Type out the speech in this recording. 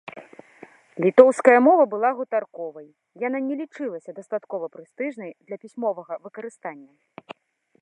Літоўская мова была гутарковай, яна не лічылася дастаткова прэстыжнай для пісьмовага выкарыстання.